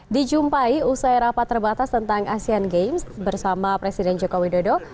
dijumpai usai rapat terbatas tentang asean games bersama presiden joko widodo